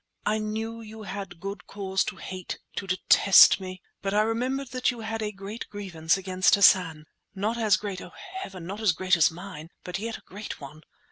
I knew you had good cause to hate, to detest me, but I remembered that you had a great grievance against Hassan. Not as great, O heaven! not as great as mine, but yet a great one.